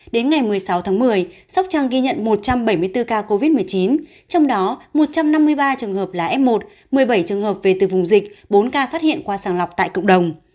đến ngày một mươi sáu tháng một mươi sóc trăng ghi nhận một trăm bảy mươi bốn ca covid một mươi chín trong đó một trăm năm mươi ba trường hợp là f một một mươi bảy trường hợp về từ vùng dịch bốn ca phát hiện qua sàng lọc tại cộng đồng